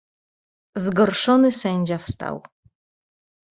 "Zgorszony sędzia wstał."